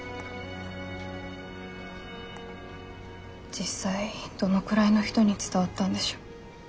実際どのくらいの人に伝わったんでしょう。